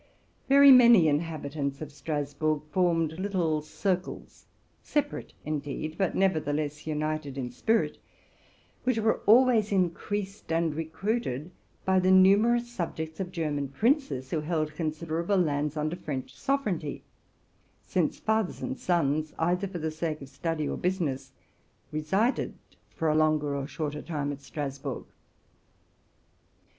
Very many inhabitants of Strasburg formed little circles, separate, indeed, but nevertheless united in spirit, which were always increased and recruited by the RELATING TO MY LIFE. (() numerous subjects of German princes who held considerable lands under French sovereignty ; since fathers and sons, either for the sake of study or business, resided for a longer or shorter time at Strasburg.